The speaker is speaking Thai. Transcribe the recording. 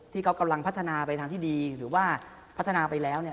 ที่เขากำลังพัฒนาไปทางที่ดีหรือว่าพัฒนาไปแล้วเนี่ย